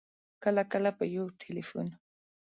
کله کله په یو ټېلفون